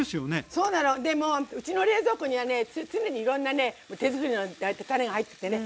そうなのでもうちの冷蔵庫にはね常にいろんなね手作りのたれが入っててね